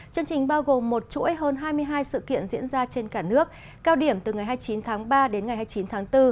chương trình bao gồm một chuỗi hơn hai mươi hai sự kiện diễn ra trên cả nước cao điểm từ ngày hai mươi chín tháng ba đến ngày hai mươi chín tháng bốn